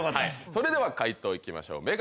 それでは解答行きましょう。